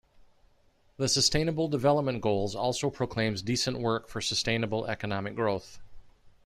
The Sustainable Development Goals also proclaims decent work for sustainable economic growth.